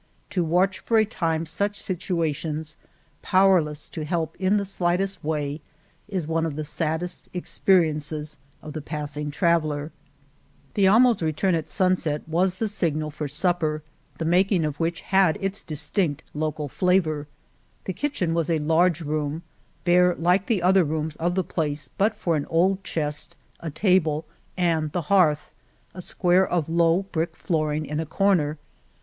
To watch for a time such situations, powerless to help in the slightest way, is one of the saddest experiences of the passing traveller. 38 ^.^ His Favorite Chair in the Barber Shop. ArgamasiUa The amds return at sunset was the signal for supper, the making of which had its dis tinct local flavor. The kitchen was a large room, bare like the other rooms of the place but for an old chest, a table, and the hearth — a square of low brick flooring in a corner.